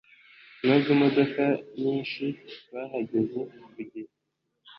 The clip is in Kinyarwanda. nubwo imodoka nyinshi, twahageze ku gihe